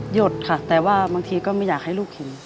หยุดค่ะแต่ว่าบางทีก็ไม่อยากให้ลูกเห็น